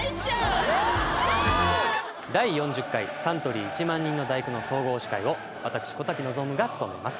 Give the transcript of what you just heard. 第４０回「サントリー１万人の第九」の総合司会を私小瀧望が務めます